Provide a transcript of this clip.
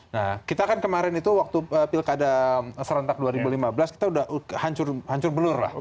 nah kita kan kemarin itu waktu pilkada serentak dua ribu lima belas kita udah hancur belur lah